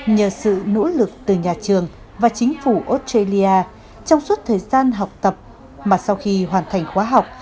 nhờ sự nỗ lực từ nhà trường và chính phủ australia trong suốt thời gian học tập mà sau khi hoàn thành khóa học